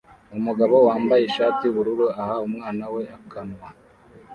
Umugabo wambaye ishati yubururu aha umwana we akanywa